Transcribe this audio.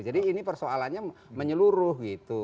jadi ini persoalannya menyeluruh gitu